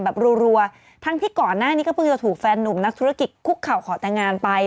รัวทั้งที่ก่อนหน้านี้ก็เพิ่งจะถูกแฟนหนุ่มนักธุรกิจคุกเข่าขอแต่งงานไป